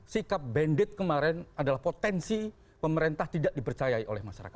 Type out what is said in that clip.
sikap bandit kemarin adalah potensi pemerintah tidak dipercayai oleh masyarakat